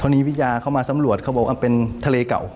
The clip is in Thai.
นี่วิทยาเข้ามาสำรวจเขาบอกว่าเป็นทะเลเก่า